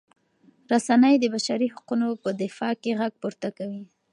رسنۍ د بشر د حقونو په دفاع کې غږ پورته کوي.